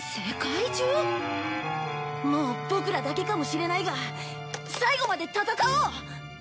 もうボクらだけかもしれないが最後まで戦おう！